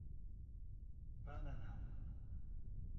Bananal